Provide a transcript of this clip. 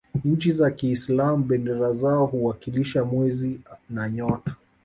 nchi za kiislam bendera zao huwakilisha mwezi na nyota